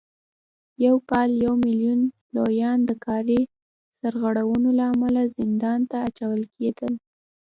هر کال یو میلیون لویان د کاري سرغړونو له امله زندان ته اچول کېدل